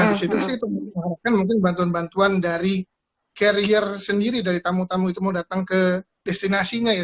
nah di situ sih itu mungkin bantuan bantuan dari carrier sendiri dari tamu tamu itu mau datang ke destinasi nya ya